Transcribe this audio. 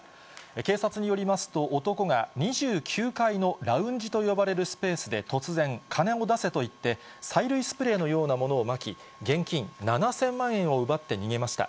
警察によりますと、男が２９階のラウンジと呼ばれるスペースで突然、金を出せと言って、催涙スプレーのようなものをまき、現金７０００万円を奪って逃げました。